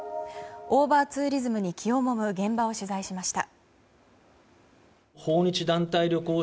オーバーツーリズムに気をもむ現場を取材しました。